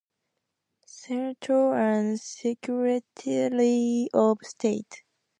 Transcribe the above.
Senator and Secretary of State.